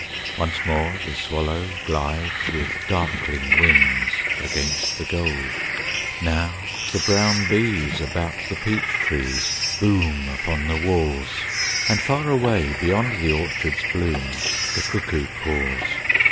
Once more the swallow glides with darkling wings Against the gold. Now the brown bees about the peach trees boom Upon the walls; And far away beyond the orchard's bloom The cuckoo calls.